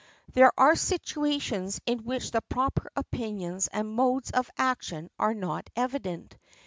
There are situations in which the proper opinions and modes of action are not evident.